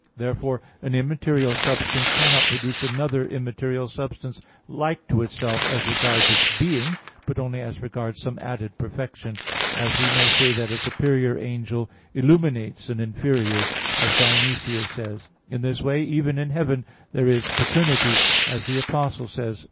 Therefore an immaterial substance cannot produce another immaterial substance like to itself as regards its being, but only as regards some added perfection; as we may say that a superior angel illuminates an inferior, as Dionysius says (Coel. Hier. iv, x). In this way even in heaven there is paternity, as the Apostle says (Eph.